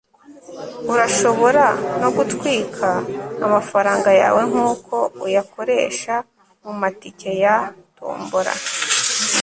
urashobora no gutwika amafaranga yawe nkuko uyakoresha mumatike ya tombola